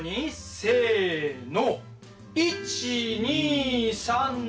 せの。